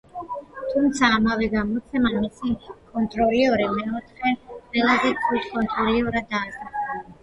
თუმცა ამავე გამოცემამ მისი კონტროლერი მეოთხე ყველაზე ცუდ კონტროლერად დაასახელა.